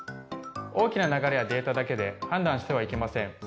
大きな流れやデータだけで判断してはいけません。